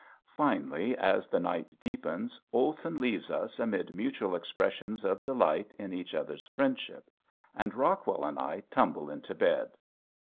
Finally as the night deepens Olson leaves us amid mutual expressions of delight in each other's friendship, and Rockwell and I tumble into bed.